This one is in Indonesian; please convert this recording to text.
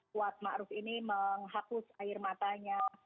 kuat maruf ini menghapus air matanya